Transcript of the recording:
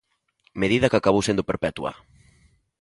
Medida que acabou sendo perpetua.